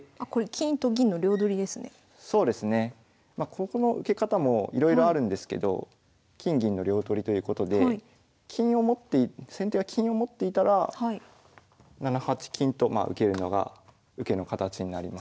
ここの受け方もいろいろあるんですけど金銀の両取りということで先手が金を持っていたら７八金と受けるのが受けの形になります。